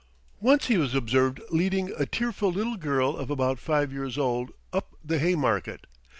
Once he was observed leading a tearful little girl of about five years old up the Haymarket.